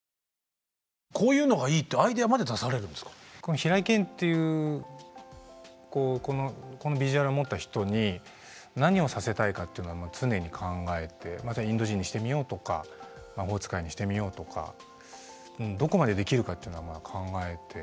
平井堅っていうこのビジュアルを持った人に何をさせたいかっていうのは常に考えてインド人にしてみようとか魔法使いにしてみようとかどこまでできるかっていうのは考えて。